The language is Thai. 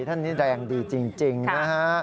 ท่านนี้แดงดีจริงนะฮะ